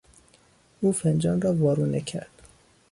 او فنجان را وارونه کرد.